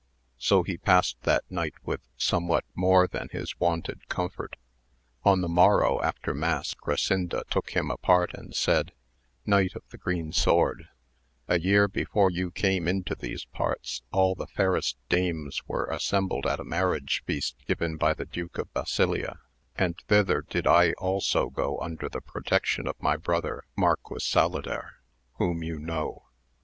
So he passed that night with somewhat more than his wonted comfort. On the morrow after mass Orosinda took him apart and said, Knight of the Green Sword, a year before you came into these parts all the fairest dames were assembled at a marriage feast given by the Duke of Basilea, and thither did I also go under the protection of my brother Marquis Saluder, whom you know.